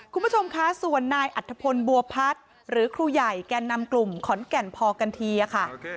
คุณผู้ชมคะส่วนนายอัฐพลบัวพัฒน์หรือครูใหญ่แก่นำกลุ่มขอนแก่นพอกันทีค่ะ